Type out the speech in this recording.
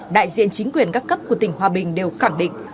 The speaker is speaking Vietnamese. đại diện chính quyền các cấp của tỉnh hòa bình đều khẳng định